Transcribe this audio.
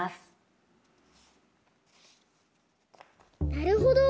なるほど！